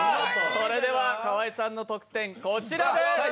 それでは、河井さんの得点、こちらです。